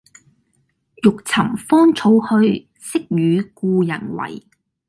欲尋芳草去，惜與故人違。